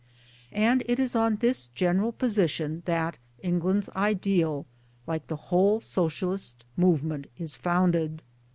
And it is on this general position that England's Ideal like the whole Socialist movement is founded.